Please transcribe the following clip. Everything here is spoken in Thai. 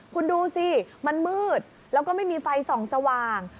คุณดูสิมันมืดแล้วก็ไม่มีไฟส่องสว่าง